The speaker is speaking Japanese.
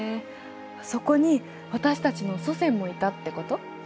そこに私たちの祖先もいたってこと？